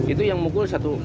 itu yang mukul satu